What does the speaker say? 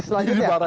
oh enggak di tengah